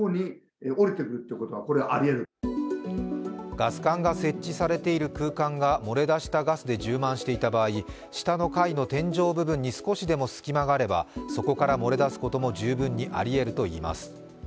ガス管が設置されている空間が漏れ出したガスで充満していた場合、下の階の天井部分に少しでも隙間があれば、そこから漏れ出すことも十分にありえるといいます。